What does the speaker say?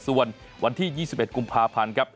ส่วนวันที่๒๑กุมภาพันธ์ครับ